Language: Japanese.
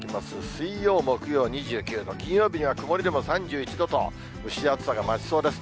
水曜、木曜２９度、金曜日には曇りでも３１度と、蒸し暑さが増しそうです。